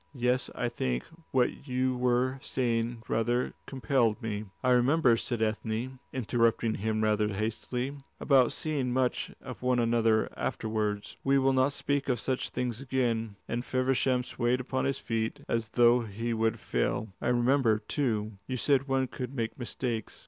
"Yes, I think what you were saying rather compelled me." "I remember," said Ethne, interrupting him rather hastily, "about seeing much of one another afterwards. We will not speak of such things again," and Feversham swayed upon his feet as though he would fall. "I remember, too, you said one could make mistakes.